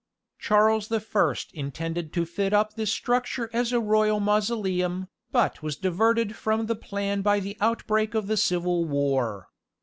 Charles the First intended to fit up this structure as a royal mausoleum, but was diverted from the plan by the outbreak of the civil war.